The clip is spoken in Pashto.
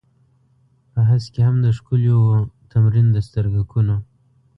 په هسک کې هم د ښکليو و تمرين د سترگکونو.